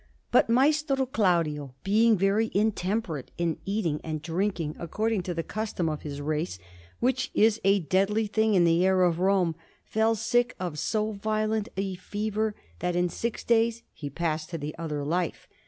But Maestro Claudio, being very intemperate in eating and drinking, according to the custom of his race, which is a deadly thing in the air of Rome, fell sick of so violent a fever, that in six days he passed to the other life.